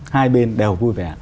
hai bên đều vui vẻ